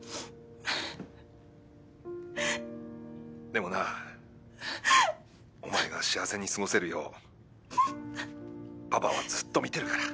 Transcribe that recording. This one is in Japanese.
でもなお前が幸せに過ごせるようパパはずっと見てるから。